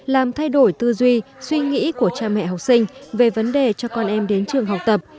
làm thay đổi tư duy suy nghĩ của cha mẹ học sinh về vấn đề cho con em đến trường học tập